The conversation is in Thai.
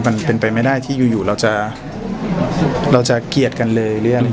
มันเป็นไปไม่ได้ที่จะเเกลียดกันเลย